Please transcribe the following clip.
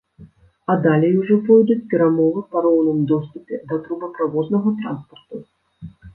А далей ужо пойдуць перамовы па роўным доступе да трубаправоднага транспарту.